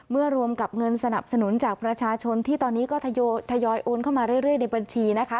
รวมกับเงินสนับสนุนจากประชาชนที่ตอนนี้ก็ทยอยโอนเข้ามาเรื่อยในบัญชีนะคะ